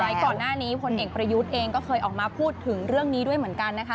ก่อนหน้านี้พลเอกประยุทธ์เองก็เคยออกมาพูดถึงเรื่องนี้ด้วยเหมือนกันนะคะ